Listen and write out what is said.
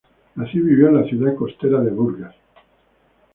Nació y vivió en la ciudad costera de Burgas.